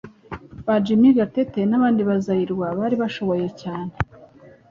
Ba jimmy gatete nabandi bazayirwa bari bashoboye cyane